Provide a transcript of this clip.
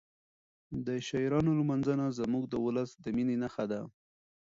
د شاعرانو لمانځنه زموږ د ولس د مینې نښه ده.